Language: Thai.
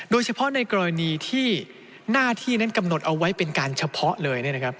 โดยเฉพาะในกรณีที่หน้าที่นั้นกำหนดเอาไว้เป็นการเฉพาะเลย